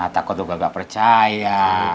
takut juga gak percaya